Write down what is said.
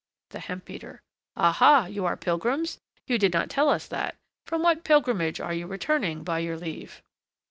THE HEMP BEATER. Aha! you are pilgrims? you did not tell us that. From what pilgrimage are you returning, by your leave?